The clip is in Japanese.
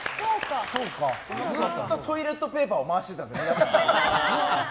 ずっとトイレットペーパーを回してたんです、皆さん。